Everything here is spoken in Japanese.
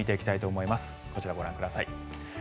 こちら、ご覧ください。